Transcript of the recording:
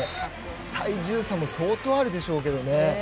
体重差も相当あるでしょうけどね。